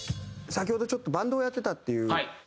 先ほどちょっとバンドをやってたっていう。